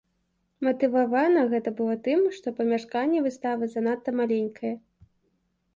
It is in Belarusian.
Матывавана гэта было тым, што памяшканне выставы занадта маленькае.